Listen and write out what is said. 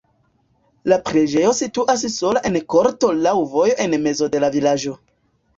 La preĝejo situas sola en korto laŭ vojo en mezo de la vilaĝo.